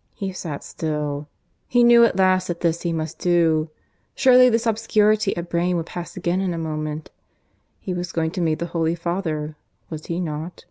... He sat still; he knew at least that this he must do. ... Surely this obscurity of brain would pass again in a moment. He was going to meet the Holy Father, was he not?